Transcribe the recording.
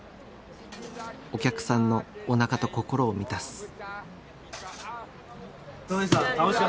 お客さんのおなかと心を満たす。